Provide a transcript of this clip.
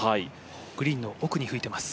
グリーンの奥に吹いています。